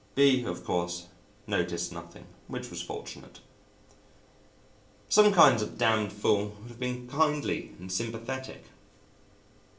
B , of course, noticed nothing, which was fortunate. Some kinds of damned fool would have been kindly and sympathetic.